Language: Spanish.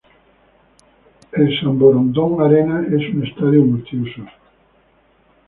El Samborondón Arena es un estadio multiusos.